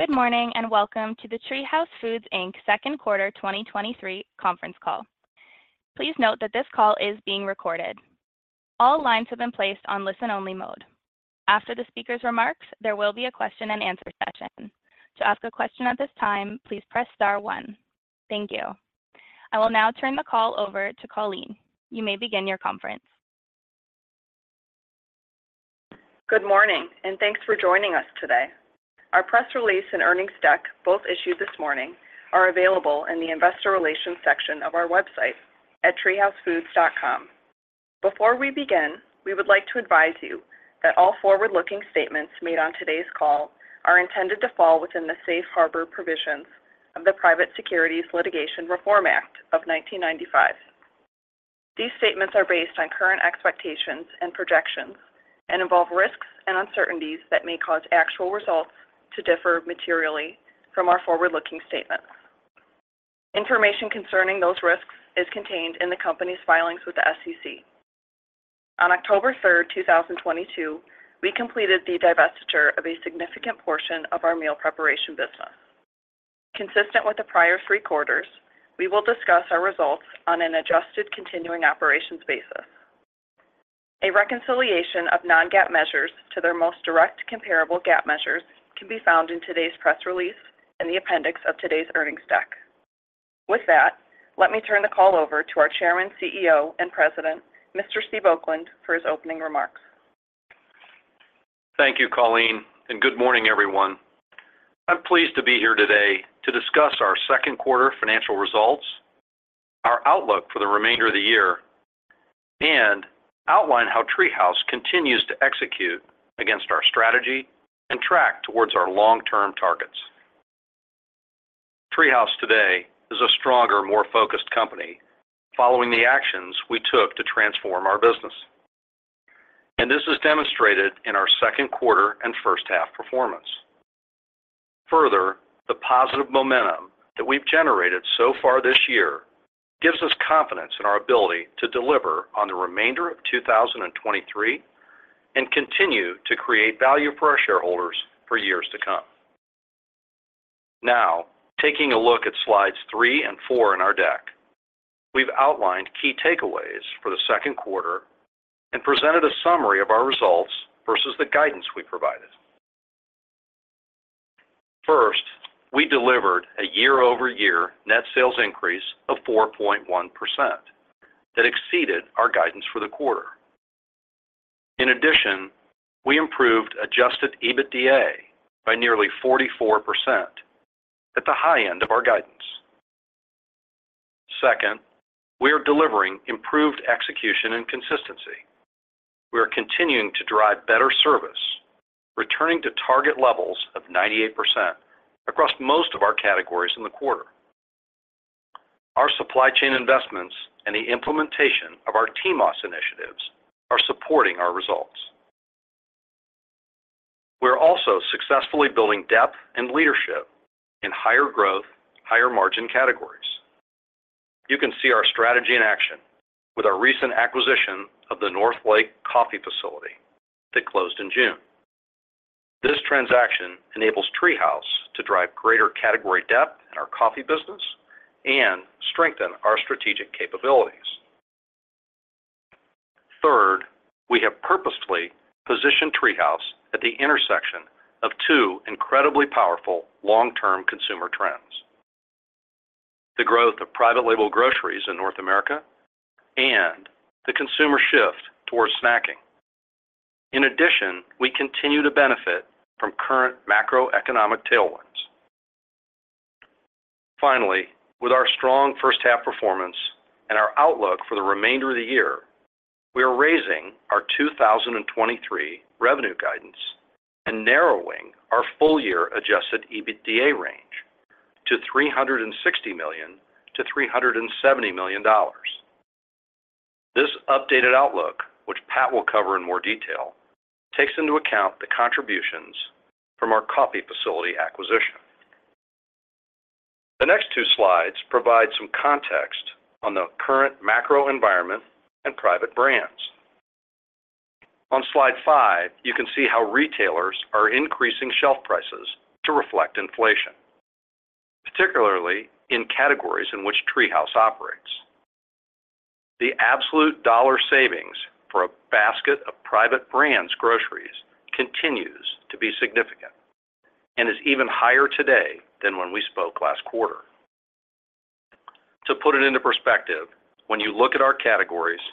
Good morning, and welcome to the TreeHouse Foods Inc.'s Second Quarter 2023 conference call. Please note that this call is being recorded. All lines have been placed on listen-only mode. After the speaker's remarks, there will be a question-and-answer session. To ask a question at this time, please press star one. Thank you. I will now turn the call over to Colleen. You may begin your conference. Good morning, and thanks for joining us today. Our press release and earnings deck, both issued this morning, are available in the Investor Relations section of our website at treehousefoods.com. Before we begin, we would like to advise you that all forward-looking statements made on today's call are intended to fall within the safe harbor provisions of the Private Securities Litigation Reform Act of 1995. These statements are based on current expectations and projections and involve risks and uncertainties that may cause actual results to differ materially from our forward-looking statements. Information concerning those risks is contained in the company's filings with the SEC. On October 3, 2022, we completed the divestiture of a significant portion of our meal preparation business. Consistent with the prior three quarters, we will discuss our results on an adjusted continuing operations basis. A reconciliation of non-GAAP measures to their most direct comparable GAAP measures can be found in today's press release and the appendix of today's earnings deck. With that, let me turn the call over to our Chairman, CEO, and President, Mr. Steve Oakland, for his opening remarks. Thank you, Colleen. Good morning, everyone. I'm pleased to be here today to discuss our second quarter financial results, our outlook for the remainder of the year, and outline how TreeHouse continues to execute against our strategy and track towards our long-term targets. TreeHouse today is a stronger, more focused company following the actions we took to transform our business. This is demonstrated in our second quarter and first half performance. Further, the positive momentum that we've generated so far this year gives us confidence in our ability to deliver on the remainder of 2023 and continue to create value for our shareholders for years to come. Now, taking a look at slides 3 and 4 in our deck, we've outlined key takeaways for the second quarter and presented a summary of our results versus the guidance we provided. First, we delivered a year-over-year net sales increase of 4.1% that exceeded our guidance for the quarter. In addition, we improved Adjusted EBITDA by nearly 44% at the high end of our guidance. Second, we are delivering improved execution and consistency. We are continuing to drive better service, returning to target levels of 98% across most of our categories in the quarter. Our supply chain investments and the implementation of our TMOS initiatives are supporting our results. We're also successfully building depth and leadership in higher growth, higher margin categories. You can see our strategy in action with our recent acquisition of the Northlake Coffee facility that closed in June. This transaction enables TreeHouse to drive greater category depth in our coffee business and strengthen our strategic capabilities. Third, we have purposefully positioned TreeHouse at the intersection of two incredibly powerful long-term consumer trends: the growth of private label groceries in North America and the consumer shift towards snacking. In addition, we continue to benefit from current macroeconomic tailwinds. Finally, with our strong first half performance and our outlook for the remainder of the year, we are raising our 2023 revenue guidance and narrowing our full-year Adjusted EBITDA range to $360 million-$370 million. This updated outlook, which Pat will cover in more detail, takes into account the contributions from our coffee facility acquisition. The next two slides provide some context on the current macro environment and private brands. On slide 5, you can see how retailers are increasing shelf prices to reflect inflation, particularly in categories in which TreeHouse operates. The absolute dollar savings for a basket of private brands groceries continues to be significant and is even higher today than when we spoke last quarter. To put it into perspective, when you look at our categories,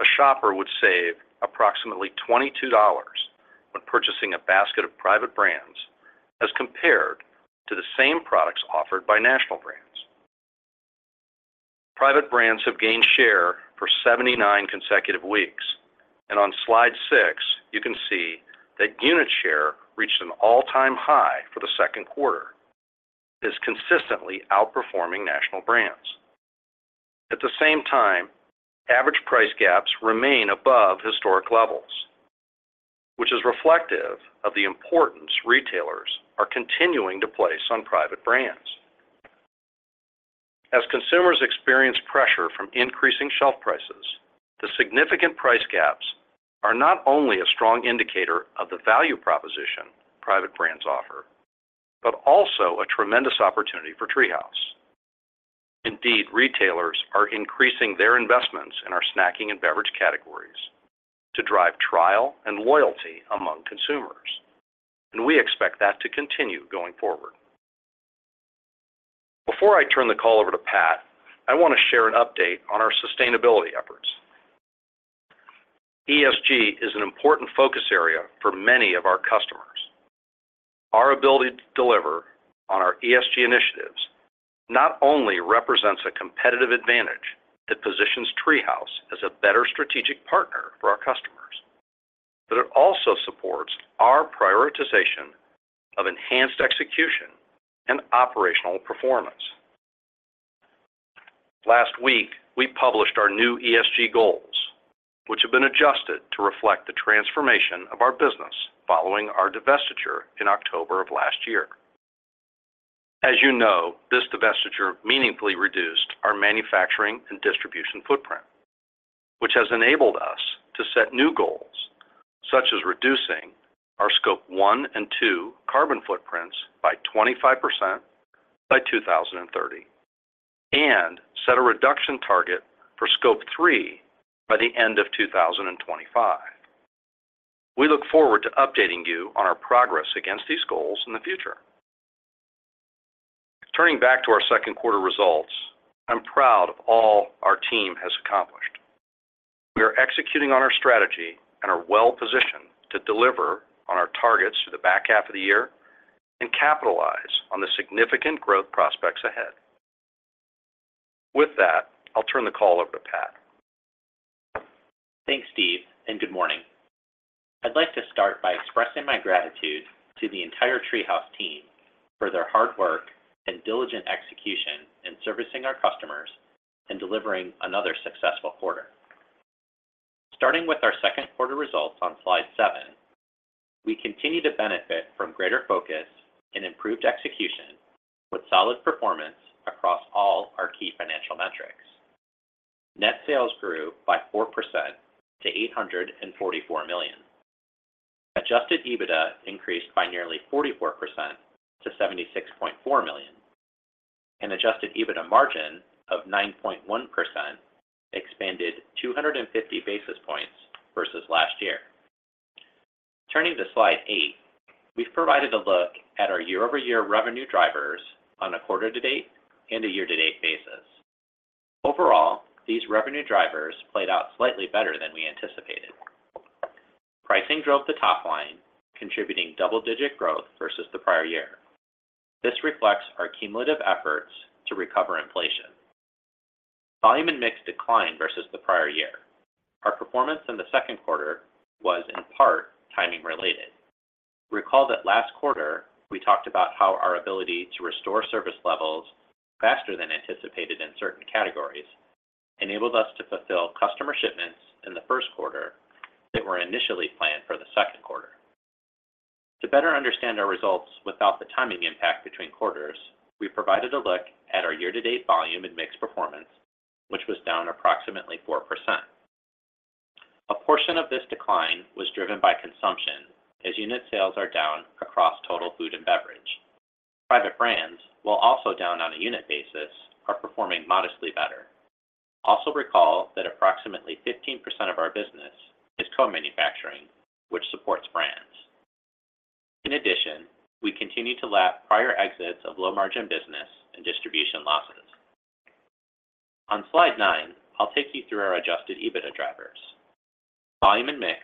a shopper would save approximately $22 when purchasing a basket of private brands as compared to the same products offered by national brands. Private brands have gained share for 79 consecutive weeks, and on slide 6, you can see that unit share reached an all-time high for the second quarter, is consistently outperforming national brands. At the same time, average price gaps remain above historic levels, which is reflective of the importance retailers are continuing to place on private brands.... As consumers experience pressure from increasing shelf prices, the significant price gaps are not only a strong indicator of the value proposition private brands offer, but also a tremendous opportunity for TreeHouse. Indeed, retailers are increasing their investments in our snacking and beverage categories to drive trial and loyalty among consumers, and we expect that to continue going forward. Before I turn the call over to Pat, I want to share an update on our sustainability efforts. ESG is an important focus area for many of our customers. Our ability to deliver on our ESG initiatives not only represents a competitive advantage that positions TreeHouse as a better strategic partner for our customers, but it also supports our prioritization of enhanced execution and operational performance. Last week, we published our new ESG goals, which have been adjusted to reflect the transformation of our business following our divestiture in October of last year. As you know, this divestiture meaningfully reduced our manufacturing and distribution footprint, which has enabled us to set new goals, such as reducing our Scope 1 and Scope 2 carbon footprints by 25% by 2030, and set a reduction target for Scope 3 by the end of 2025. We look forward to updating you on our progress against these goals in the future. Turning back to our second quarter results, I'm proud of all our team has accomplished. We are executing on our strategy and are well-positioned to deliver on our targets for the back half of the year and capitalize on the significant growth prospects ahead. With that, I'll turn the call over to Pat. Thanks, Steve. Good morning. I'd like to start by expressing my gratitude to the entire TreeHouse team for their hard work and diligent execution in servicing our customers and delivering another successful quarter. Starting with our second quarter results on slide 7, we continue to benefit from greater focus and improved execution, with solid performance across all our key financial metrics. Net sales grew by 4% to $844 million. Adjusted EBITDA increased by nearly 44% to $76.4 million, and adjusted EBITDA margin of 9.1% expanded 250 basis points versus last year. Turning to slide 8, we've provided a look at our year-over-year revenue drivers on a quarter to date and a year to date basis. Overall, these revenue drivers played out slightly better than we anticipated. Pricing drove the top line, contributing double-digit growth versus the prior year. This reflects our cumulative efforts to recover inflation. Volume and mix declined versus the prior year. Our performance in the second quarter was in part, timing related. Recall that last quarter we talked about how our ability to restore service levels faster than anticipated in certain categories enabled us to fulfill customer shipments in the first quarter that were initially planned for the second quarter. To better understand our results without the timing impact between quarters, we provided a look at our year-to-date volume and mix performance, which was down approximately 4%. A portion of this decline was driven by consumption as unit sales are down across total food and beverage. Private brands, while also down on a unit basis, are performing modestly better. Also, recall that approximately 15% of our business is co-manufacturing, which supports brands. In addition, we continue to lap prior exits of low-margin business and distribution losses. On slide 9, I'll take you through our Adjusted EBITDA drivers. Volume and mix,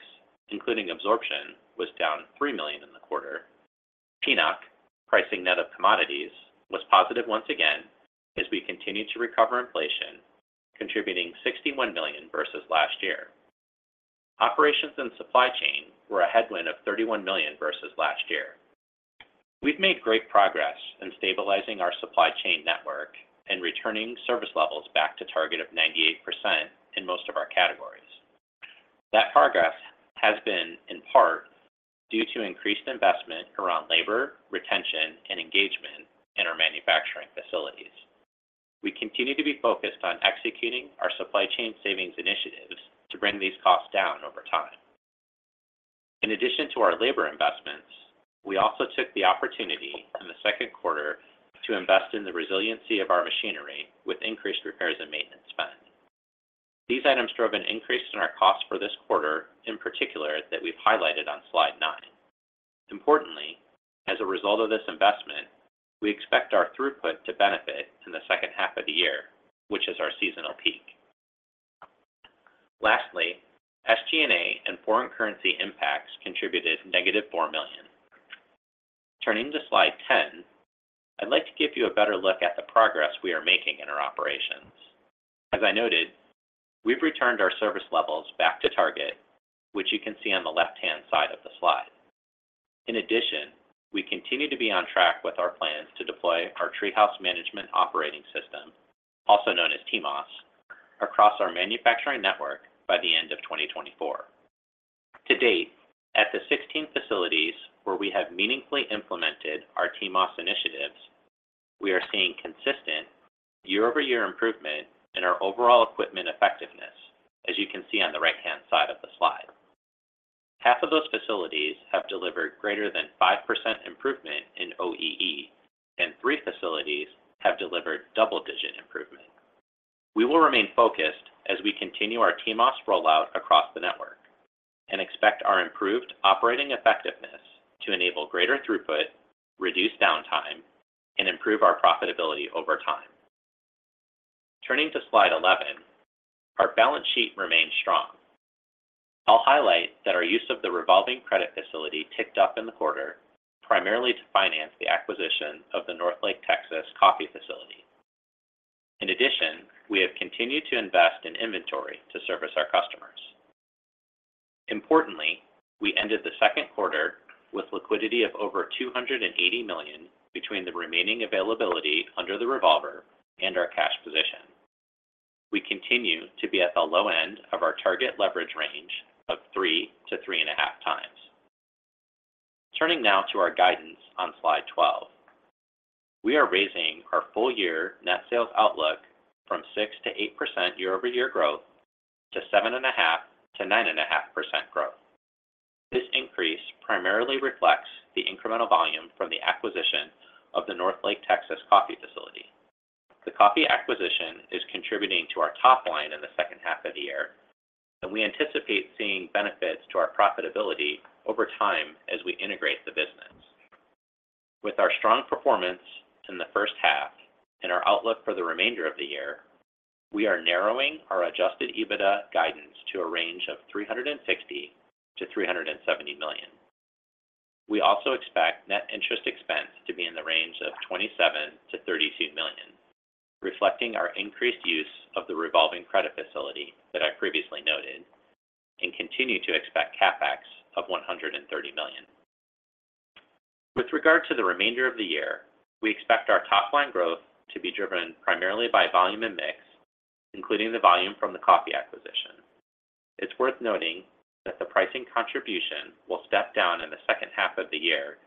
including absorption, was down $3 million in the quarter. PNOC, pricing net of commodities, was positive once again as we continued to recover inflation, contributing $61 million versus last year. Operations and supply chain were a headwind of $31 million versus last year. We've made great progress in stabilizing our supply chain network and returning service levels back to target of 98% in most of our categories. That progress has been in part due to increased investment around labor, retention, and engagement in our manufacturing facilities. We continue to be focused on executing our supply chain savings initiatives to bring these costs down over time. In addition to our labor investments, we also took the opportunity in the second quarter to invest in the resiliency of our machinery with increased repairs and maintenance spend. These items drove an increase in our cost for this quarter in particular that we've highlighted on slide 9. Importantly, as a result of this investment, we expect our throughput to benefit in the second half of the year, which is our seasonal peak. Lastly, SG&A and foreign currency impacts contributed -$4 million. Turning to slide 10, I'd like to give you a better look at the progress we are making in our operations. As I noted, we've returned our service levels back to target, which you can see on the left-hand side of the slide. In addition, we continue to be on track with our plans to deploy our TreeHouse Management Operating System, also known as TMOS, across our manufacturing network by the end of 2024. To date, at the 16 facilities where we have meaningfully implemented our TMOS initiatives, we are seeing consistent year-over-year improvement in our overall equipment effectiveness, as you can see on the right-hand side of the slide. Half of those facilities have delivered greater than 5% improvement in OEE, and three facilities have delivered double-digit improvement. We will remain focused as we continue our TMOS rollout across the network and expect our improved operating effectiveness to enable greater throughput, reduce downtime, and improve our profitability over time. Turning to Slide 11, our balance sheet remains strong. I'll highlight that our use of the revolving credit facility ticked up in the quarter, primarily to finance the acquisition of the Northlake, Texas coffee facility. In addition, we have continued to invest in inventory to service our customers. Importantly, we ended the second quarter with liquidity of over $280 million between the remaining availability under the revolver and our cash position. We continue to be at the low end of our target leverage range of 3-3.5 times. Turning now to our guidance on Slide 12. We are raising our full-year net sales outlook from 6%-8% year-over-year growth to 7.5%-9.5% growth. This increase primarily reflects the incremental volume from the acquisition of the Northlake, Texas coffee facility. The coffee acquisition is contributing to our top line in the second half of the year, and we anticipate seeing benefits to our profitability over time as we integrate the business. With our strong performance in the first half and our outlook for the remainder of the year, we are narrowing our adjusted EBITDA guidance to a range of $360 million-$370 million. We also expect net interest expense to be in the range of $27 million-$32 million, reflecting our increased use of the revolving credit facility that I previously noted, and continue to expect CapEx of $130 million. With regard to the remainder of the year, we expect our top line growth to be driven primarily by volume and mix, including the volume from the coffee acquisition. It's worth noting that the pricing contribution will step down in the second half of the year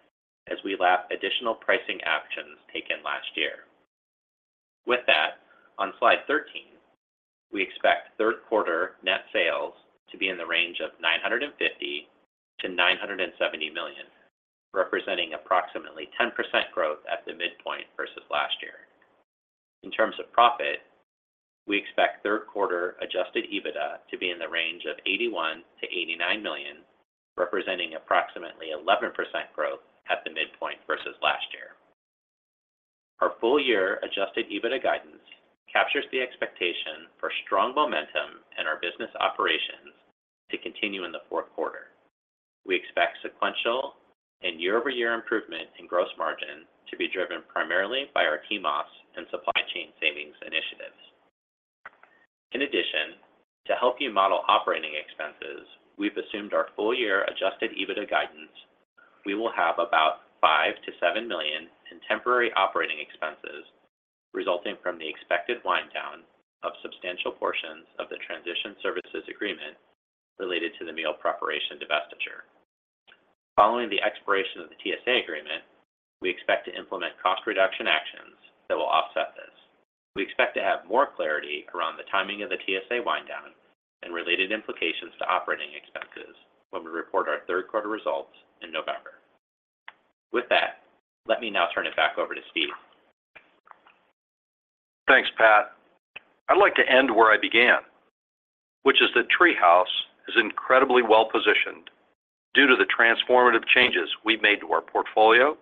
as we lap additional pricing actions taken last year. With that, on Slide 13, we expect third quarter net sales to be in the range of $950 million-$970 million, representing approximately 10% growth at the midpoint versus last year. In terms of profit, we expect third quarter Adjusted EBITDA to be in the range of $81 million-$89 million, representing approximately 11% growth at the midpoint versus last year. Our full-year Adjusted EBITDA guidance captures the expectation for strong momentum in our business operations to continue in the fourth quarter. We expect sequential and year-over-year improvement in gross margin to be driven primarily by our TMOS and supply chain savings initiatives. In addition, to help you model operating expenses, we've assumed our full-year Adjusted EBITDA guidance, we will have about $5 million-$7 million in temporary operating expenses, resulting from the expected wind down of substantial portions of the Transition Services Agreement related to the meal preparation divestiture. Following the expiration of the TSA agreement, we expect to implement cost reduction actions that will offset this. We expect to have more clarity around the timing of the TSA wind down and related implications to operating expenses when we report our third quarter results in November. With that, let me now turn it back over to Steve. Thanks, Pat. I'd like to end where I began, which is that TreeHouse is incredibly well-positioned due to the transformative changes we've made to our portfolio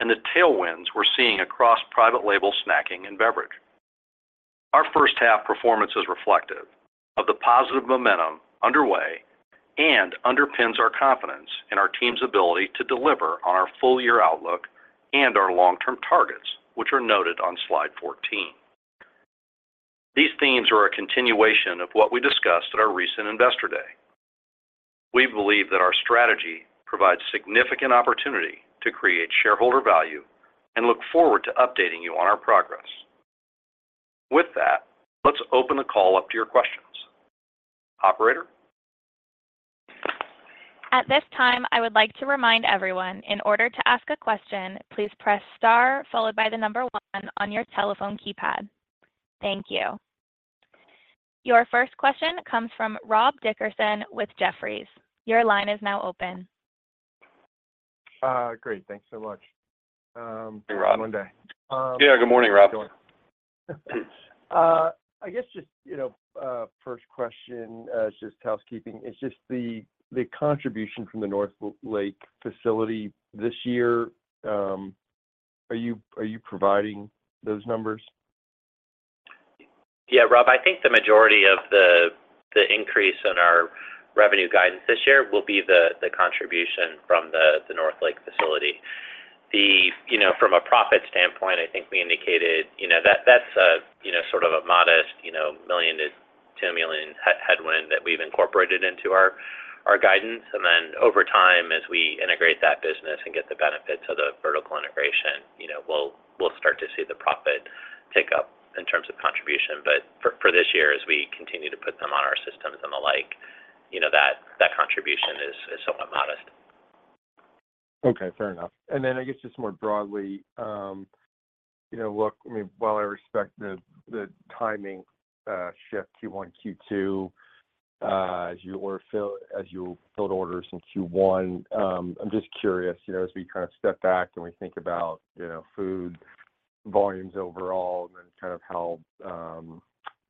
and the tailwinds we're seeing across private label snacking and beverage. Our first half performance is reflective of the positive momentum underway and underpins our confidence in our team's ability to deliver on our full-year outlook and our long-term targets, which are noted on Slide 14. These themes are a continuation of what we discussed at our recent Investor Day. We believe that our strategy provides significant opportunity to create shareholder value and look forward to updating you on our progress. With that, let's open the call up to your questions. Operator? At this time, I would like to remind everyone in order to ask a question, please press star followed by the number one on your telephone keypad. Thank you. Your first question comes from Rob Dickerson with Jefferies. Your line is now open. Great. Thanks so much. Hey, Rob. Monday. Yeah, good morning, Rob. I guess just, you know, first question, is just housekeeping. It's just the, the contribution from the Northlake facility this year, are you, are you providing those numbers? Yeah, Rob, I think the majority of the, the increase in our revenue guidance this year will be the, the contribution from the, the Northlake facility. You know, from a profit standpoint, I think we indicated, you know, that, that's a, you know, sort of a modest, $1 million-$2 million head, headwind that we've incorporated into our, our guidance. Over time, as we integrate that business and get the benefits of the vertical integration, you know, we'll, we'll start to see the profit tick up in terms of profit contribution, but for, for this year, as we continue to put them on our systems and the like, you know, that, that contribution is, is somewhat modest. Okay, fair enough. I guess just more broadly, you know, look, I mean, while I respect the, the timing shift Q1, Q2, as you order fill-- as you filled orders in Q1, I'm just curious, you know, as we kind of step back and we think about, you know, food volumes overall and then kind of how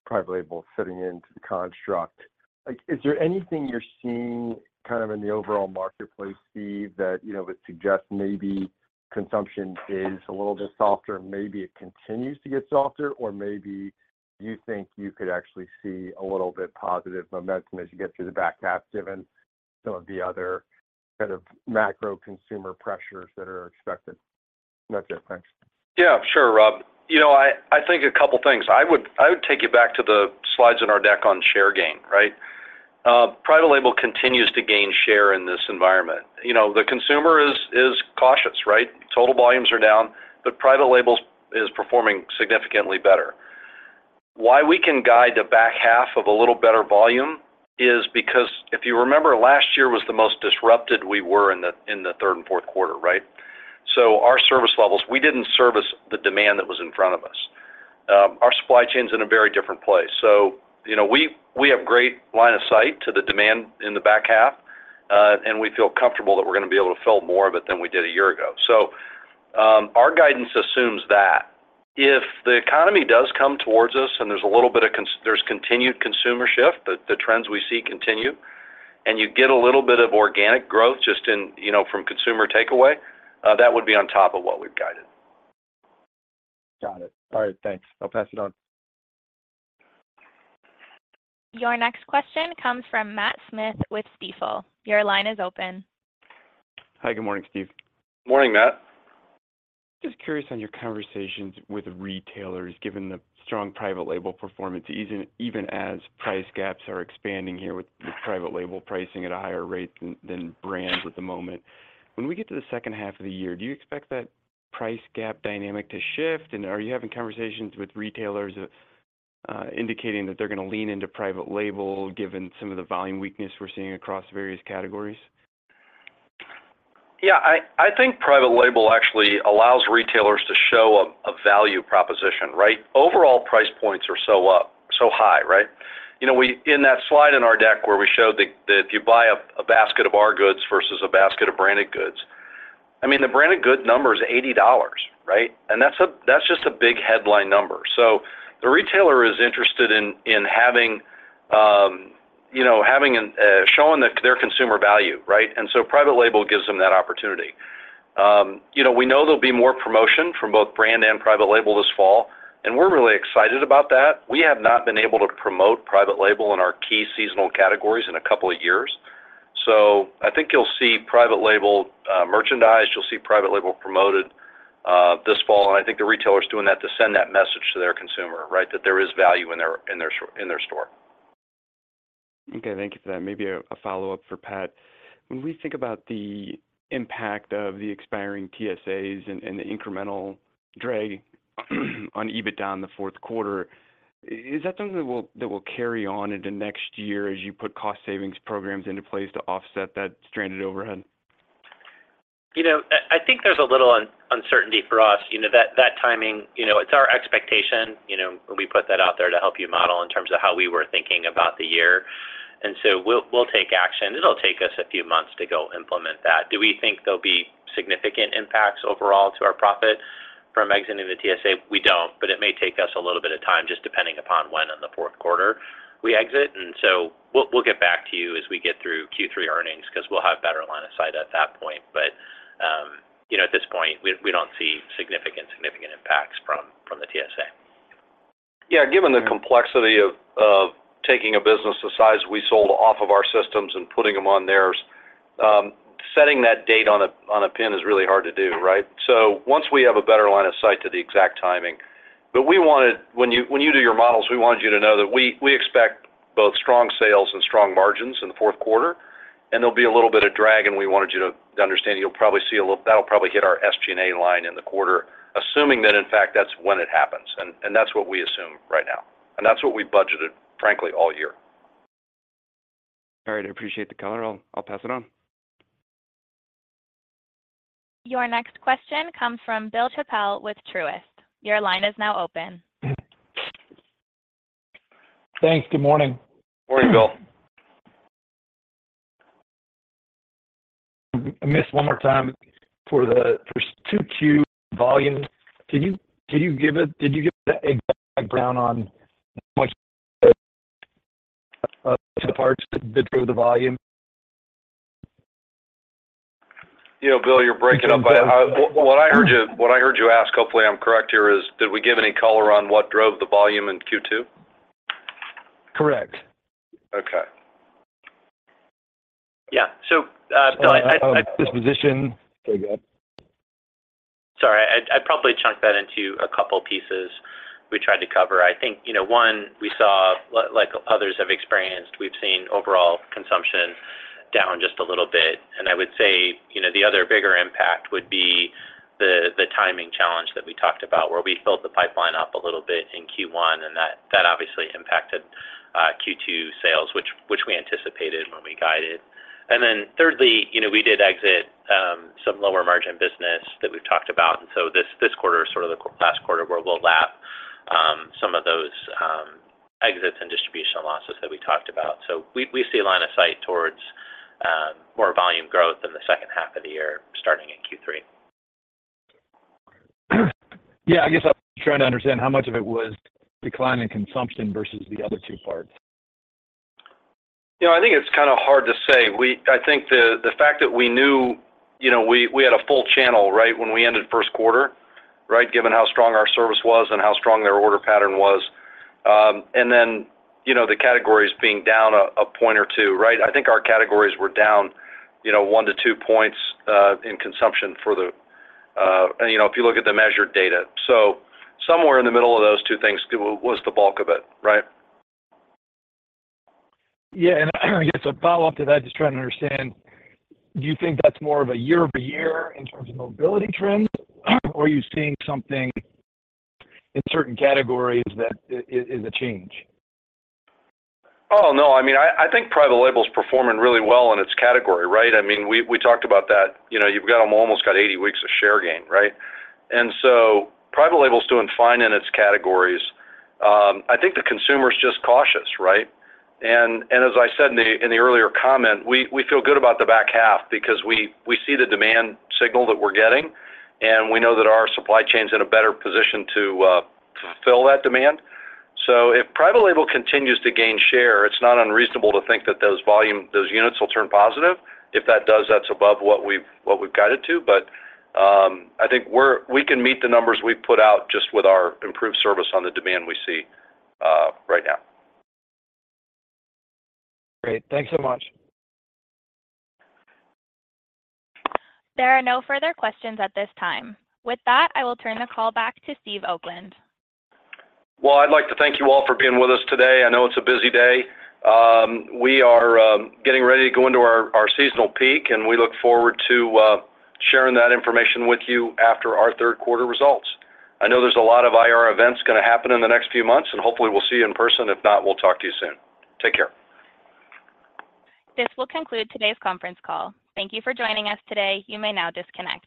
private label fitting into the construct, like, is there anything you're seeing kind of in the overall marketplace, Steve, that, you know, would suggest maybe consumption is a little bit softer, maybe it continues to get softer? Or maybe you think you could actually see a little bit positive momentum as you get through the back half, given some of the other kind of macro consumer pressures that are expected? No, go, thanks. Yeah, sure, Rob. You know, I, I think two things. I would, I would take you back to the slides in our deck on share gain, right? Private label continues to gain share in this environment. You know, the consumer is, is cautious, right? Total volumes are down, but private label is performing significantly better. Why we can guide the back half of a little better volume is because if you remember, last year was the most disrupted we were in the, in the 3rd and 4th quarter, right? Our service levels, we didn't service the demand that was in front of us. Our supply chain's in a very different place. You know, we, we have great line of sight to the demand in the back half, and we feel comfortable that we're gonna be able to fill more of it than we did a year ago. Our guidance assumes that if the economy does come towards us and there's a little bit of there's continued consumer shift, the, the trends we see continue, and you get a little bit of organic growth just in, you know, from consumer takeaway, that would be on top of what we've guided. Got it. All right, thanks. I'll pass it on. Your next question comes from Matt Smith with Stifel. Your line is open. Hi, good morning, Steve. Morning, Matt. Just curious on your conversations with retailers, given the strong private label performance, even, even as price gaps are expanding here with private label pricing at a higher rate than, than brands at the moment. When we get to the second half of the year, do you expect that price gap dynamic to shift? Are you having conversations with retailers, indicating that they're gonna lean into private label, given some of the volume weakness we're seeing across various categories? Yeah, I, I think private label actually allows retailers to show a, a value proposition, right? Overall price points are so up, so high, right? You know, in that slide in our deck where we showed that, that if you buy a, a basket of our goods versus a basket of branded goods, I mean, the branded good number is $80, right? That's a, that's just a big headline number. The retailer is interested in, in having, you know, having an showing that their consumer value, right? Private label gives them that opportunity. You know, we know there'll be more promotion from both brand and private label this fall, and we're really excited about that. We have not been able to promote private label in our key seasonal categories in a couple of years. I think you'll see private label, merchandise, you'll see private label promoted, this fall. I think the retailer is doing that to send that message to their consumer, right? That there is value in their, in their stor- in their store. Okay, thank you for that. Maybe a follow-up for Pat. When we think about the impact of the expiring TSAs and the incremental drag on EBITDA in the fourth quarter, is that something that will carry on into next year as you put cost savings programs into place to offset that stranded overhead? You know, I, I think there's a little uncertainty for us. You know, that, that timing, you know, it's our expectation, you know, when we put that out there to help you model in terms of how we were thinking about the year, and so we'll, we'll take action. It'll take us a few months to go implement that. Do we think there'll be significant impacts overall to our profit from exiting the TSA? We don't, but it may take us a little bit of time, just depending upon when in the fourth quarter we exit, and so we'll, we'll get back to you as we get through Q3 earnings because we'll have better line of sight at that point. You know, at this point, we, we don't see significant, significant impacts from, from the TSA. Yeah, given the complexity of, of taking a business the size we sold off of our systems and putting them on theirs, setting that date on a, on a pin is really hard to do, right? Once we have a better line of sight to the exact timing. When you, when you do your models, we wanted you to know that we, we expect both strong sales and strong margins in the fourth quarter, and there'll be a little bit of drag, and we wanted you to understand you'll probably see that'll probably hit our SG&A line in the quarter, assuming that, in fact, that's when it happens. That's what we assume right now, and that's what we budgeted, frankly, all year. All right, I appreciate the comment. I'll, I'll pass it on. Your next question comes from Bill Chappell with Truist. Your line is now open. Thanks. Good morning. Morning, Bill. I missed one more time for the, for Q2 volumes. Can you, did you give a background on much of the parts that drove the volume? You know, Bill, you're breaking up. What I heard you, what I heard you ask, hopefully, I'm correct here, is, did we give any color on what drove the volume in Q2? Correct. Okay. Yeah, Bill, I, I- Disposition. Okay, go ahead. Sorry, I'd, I'd probably chunk that into a couple pieces we tried to cover. I think, you know, one, we saw, like, like others have experienced, we've seen overall consumption down just a little bit. I would say, you know, the other bigger impact would be the, the timing challenge that we talked about, where we filled the pipeline up a little bit in Q1, and that, that obviously impacted Q2 sales, which, which we anticipated when we guided. Thirdly, you know, we did exit some lower margin business that we've talked about, and so this, this quarter is sort of the last quarter where we'll lap some of those exits and distribution losses that we talked about. We, we see a line of sight towards more volume growth in the second half of the year, starting in Q3. Yeah, I guess I'm trying to understand how much of it was decline in consumption versus the other two parts? You know, I think it's kind of hard to say. We-- I think the, the fact that we knew, you know, we, we had a full channel, right, when we ended first quarter, right? Given how strong our service was and how strong their order pattern was. And then, you know, the categories being down a, a point or two, right? I think our categories were down, you know, 1-2 points in consumption for the... You know, if you look at the measured data. Somewhere in the middle of those two things was the bulk of it, right? Yeah, I guess a follow-up to that, just trying to understand, do you think that's more of a year-over-year in terms of mobility trends? Or are you seeing something in certain categories that is a change? Oh, no. I mean, I, I think private label's performing really well in its category, right? I mean, we, we talked about that. You know, you've got them almost got 80 weeks of share gain, right? private label's doing fine in its categories. I think the consumer's just cautious, right? as I said in the, in the earlier comment, we, we feel good about the back half because we, we see the demand signal that we're getting, and we know that our supply chain's in a better position to fulfill that demand. if private label continues to gain share, it's not unreasonable to think that those volume, those units will turn positive. If that does, that's above what we've, what we've guided to, but, I think we can meet the numbers we've put out just with our improved service on the demand we see, right now. Great. Thanks so much. There are no further questions at this time. With that, I will turn the call back to Steve Oakland. Well, I'd like to thank you all for being with us today. I know it's a busy day. We are getting ready to go into our, our seasonal peak, and we look forward to sharing that information with you after our third quarter results. I know there's a lot of IR events gonna happen in the next few months, and hopefully we'll see you in person. If not, we'll talk to you soon. Take care. This will conclude today's conference call. Thank you for joining us today. You may now disconnect.